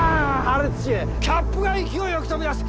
破裂しキャップが勢いよく飛び出す。